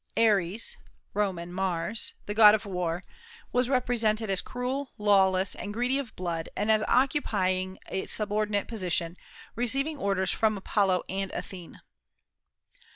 Ares (Roman Mars), the god of war, was represented as cruel, lawless, and greedy of blood, and as occupying a subordinate position, receiving orders from Apollo and Athene.